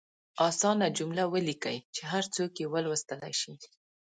اسانه جملې ولیکئ چې هر څوک یې ولوستلئ شي.